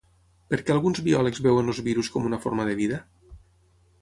Per què alguns biòlegs veuen els virus com una forma de vida?